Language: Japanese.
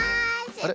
あれ？